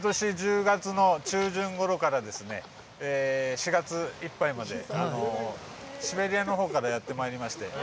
毎年１０月の中旬ごろから４月いっぱいまでシベリアのほうからやってまいりまして